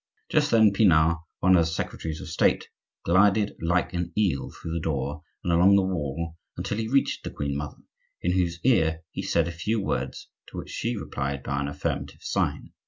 Just then Pinard, one of the secretaries of State, glided like an eel through the door and along the wall until he reached the queen mother, in whose ear he said a few words, to which she replied by an affirmative sign.